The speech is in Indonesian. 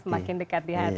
semakin dekat di hati itu ya